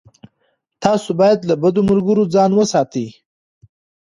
تاسو باید له بدو ملګرو ځان وساتئ.